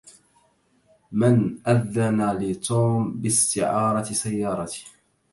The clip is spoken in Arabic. من أذن لتوم باستعارة سيارتي?